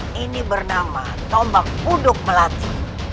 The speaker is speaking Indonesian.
tombak ini bernama tombak kuduk melati